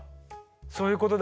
そういうことだ。